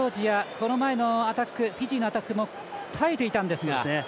この前のフィジーのアタックも耐えていたんですが。